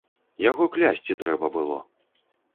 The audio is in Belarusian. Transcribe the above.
Яго клясці трэба было!